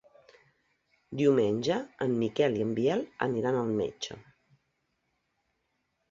Diumenge en Miquel i en Biel aniran al metge.